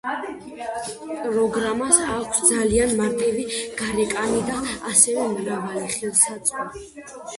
პროგრამას აქვს ძალიან მარტივი გარეკანი და ასევე მრავალი ხელსაწყო.